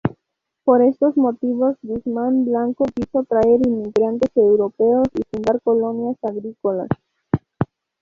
Por estos motivos Guzmán Blanco quiso traer inmigrantes europeos y fundar colonias agrícolas.